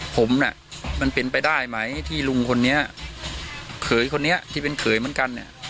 ผมน่ะมันเป็นไปได้ไหมที่ลุงคนนี้เขยคนนี้ที่เป็นเขยเหมือนกันเนี่ย